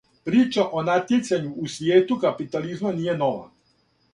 Прича о натјецању у свијету капитализма није нова.